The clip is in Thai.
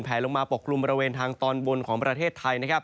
แผลลงมาปกกลุ่มบริเวณทางตอนบนของประเทศไทย